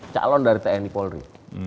calon dari tni polri